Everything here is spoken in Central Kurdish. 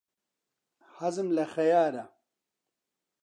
حەزم لە خەیارە.